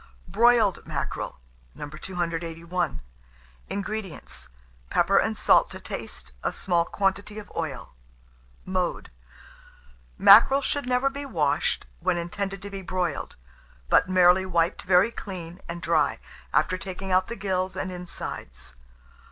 BROILED MACKEREL. 281. INGREDIENTS. Pepper and salt to taste, a small quantity of oil. Mode. Mackerel should never be washed when intended to be broiled, but merely wiped very clean and dry, after taking out the gills and insides.